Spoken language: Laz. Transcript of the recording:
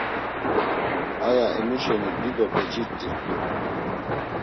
Aya emu şeni dido beciti rt̆u.